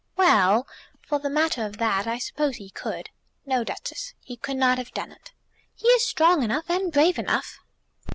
"Well; for the matter of that, I suppose he could." "No, Duchess, he could not have done it." "He is strong enough, and brave enough."